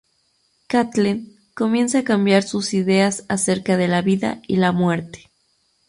Kathleen comienza a cambiar sus ideas acerca de la vida y la muerte.